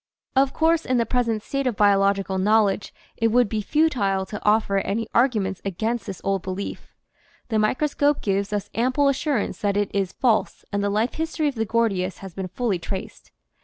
Of course in the present state of biological knowledge it would be futile to offer any arguments against this old belief. The microscope gives us ample assurance that it is THAT HAIRS ARE TUBES 203 false and the life history of the Gordius has been fully traced.